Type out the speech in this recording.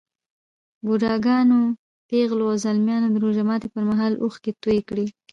بوډاګانو، پېغلو او ځلمیانو د روژه ماتي پر مهال اوښکې توی کړې.